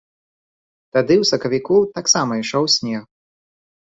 Тады ў сакавіку таксама ішоў снег.